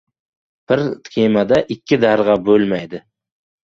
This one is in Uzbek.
• Bir kemada ikki darg‘a bo‘lmaydi.